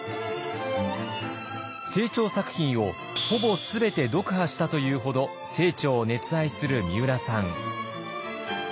清張作品をほぼ全て読破したというほど清張を熱愛するみうらさん。